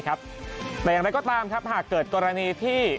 แต่อย่างไรก็ตามครับหากเกิดกรณีที่